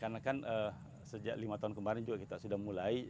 karena kan sejak lima tahun kemarin juga kita sudah mulai